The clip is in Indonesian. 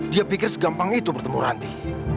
dia pikir segampang itu bertemu ranti